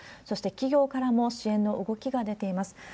そして企業からも支援の動きが出ています。